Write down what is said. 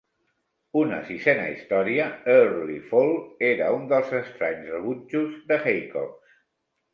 Una sisena història, "Early Fall", era un dels estranys rebutjos de Haycox.